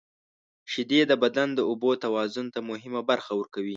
• شیدې د بدن د اوبو توازن ته مهمه برخه ورکوي.